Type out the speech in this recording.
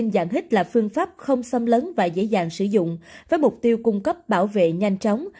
dạng hít là phương pháp không xâm lấn và dễ dàng sử dụng với mục tiêu cung cấp bảo vệ nhanh chóng